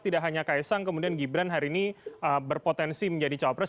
tidak hanya kaisang kemudian gibran hari ini berpotensi menjadi cawapres